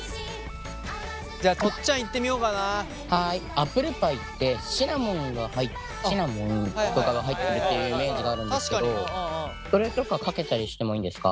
アップルパイってシナモンとかが入ってるっていうイメージがあるんですけどそれとかかけたりしてもいいんですか？